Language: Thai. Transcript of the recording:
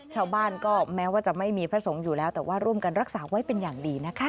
ชาวบ้านก็แม้ว่าจะไม่มีพระสงฆ์อยู่แล้วแต่ว่าร่วมกันรักษาไว้เป็นอย่างดีนะคะ